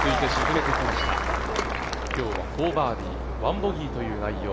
今日は４バーディー１ボギーという内容。